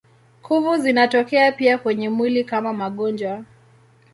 Kuvu zinatokea pia kwenye mwili kama magonjwa.